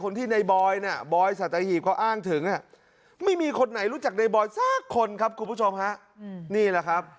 นี่แหละครับ